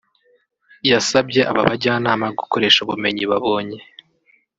yasabye aba bajyanama gukoresha ubumenyi babonye